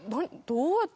どうやって。